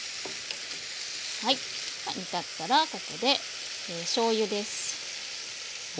はい煮立ったらここでしょうゆです。